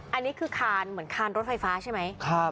อันนี้คือคานเหมือนคานรถไฟฟ้าใช่ไหม